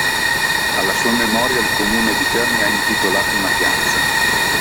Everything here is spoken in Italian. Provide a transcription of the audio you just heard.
Alla sua memoria il Comune di Terni ha intitolato una piazza.